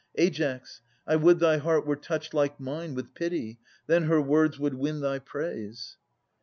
Aias, I would thy heart were touched like mine With pity; then her words would win thy praise.